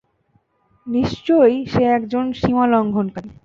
নিশ্চয়ই সে একজন সীমালংঘনকারী।